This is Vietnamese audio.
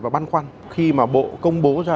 và băn khoăn khi mà bộ công bố ra